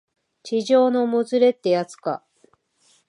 痴情のもつれってやつか